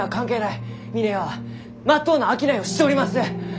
峰屋はまっとうな商いをしちょります！